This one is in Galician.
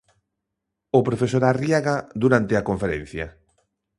O profesor Arriaga durante a conferencia.